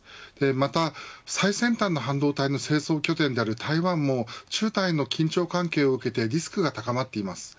また最先端の半導体の製造拠点である台湾も中台の緊張関係を受けてリスクが高まっています。